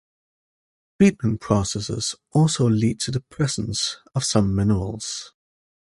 Treatment processes also lead to the presence of some minerals.